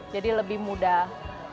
jadi lebih mudah